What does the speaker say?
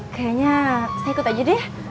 kayaknya saya ikut aja deh